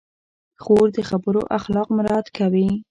خور د خبرو اخلاق مراعت کوي.